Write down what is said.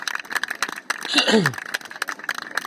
영희씨, 그게 아니라, 내가 물건을 놔두고가서 그래.